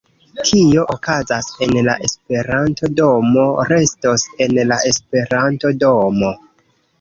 Kio okazas en la Esperanto-domo, restos en la Esperanto-domo